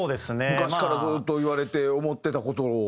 昔からずっと言われて思ってた事を。